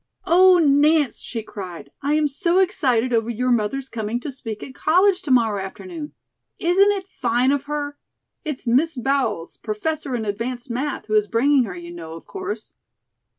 "Oh, Nance," she cried, "I am so excited over your mother's coming to speak at college to morrow afternoon. Isn't it fine of her? It's Miss Bowles, Professor in Advanced Math., who is bringing her, you know, of course?"